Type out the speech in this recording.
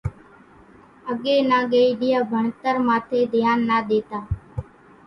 اڳيَ نا ڳئيڍيا ڀڻتر ماٿيَ ڌيانَ نا ۮيتا۔